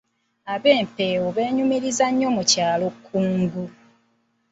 Ab'Empeewo beenyumiriza nnyo mu kyalo Kkungu.